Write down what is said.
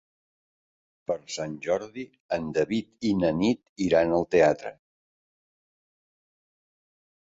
Per Sant Jordi en David i na Nit iran al teatre.